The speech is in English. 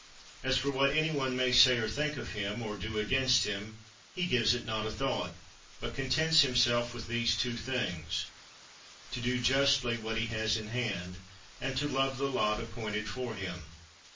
As for what any one may say or think of him or do against him, he gives it not a thought, but contents himself with these two things: to do justly what he has in hand, and to love the lot appointed for him.